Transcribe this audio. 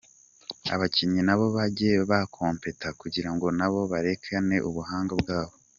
abakinnyi nabo bajye ba competent kugirango nabo berekane ubuhanga bwabo.